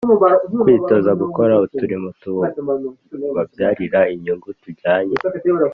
kwitoza gukora uturimo tubabyarira inyungu tujyanye